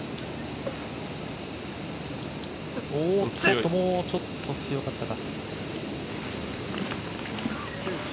おっともうちょっと強かったら。